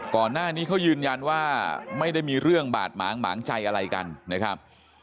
ก่อนหน้านี้เขายืนยันว่าไม่ได้มีเรื่องบาดหมางหมางใจอะไรกันนะครับ